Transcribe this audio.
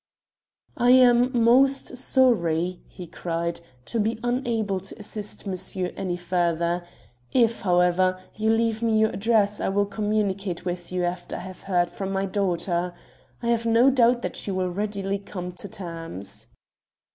"I am most sorry," he cried, "to be unable to assist monsieur any further. If, however, you leave me your address I will communicate with you after I have heard from my daughter. I have no doubt that she will readily come to terms."